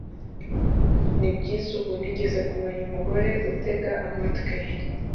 nibyiza ubu nigeze kumenya umugore utega amatwi